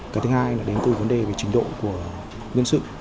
cái thứ hai là đến từ vấn đề về trình độ của nhân sự